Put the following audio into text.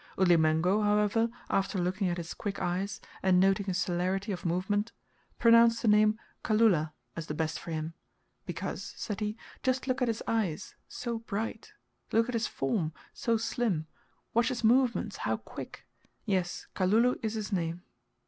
Ulimengo, however, after looking at his quick eyes, and noting his celerity of movement, pronounced the name Ka lu la as the best for him, "because," said he, "just look at his eyes, so bright look at his form, so slim! watch his movements, how quick! Yes, Kalulu is his name."